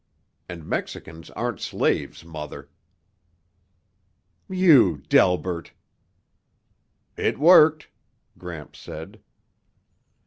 And Mexicans aren't slaves, Mother." "You, Delbert!" "It worked," Gramps said.